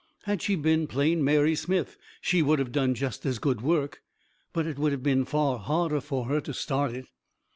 Had she been plain Mary Smith, she would have done just as good work, but it would have been far harder for her to start it.